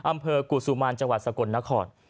อำเภอกุศุมารจังหวัดสกลนคร